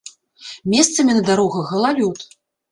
Месцамі на дарогах галалёд.